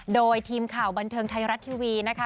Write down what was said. โดยทีมข่าวบันเทิงไทยรัฐทีวีนะคะ